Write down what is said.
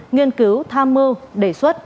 nghiên cứu tham mưu đề xuất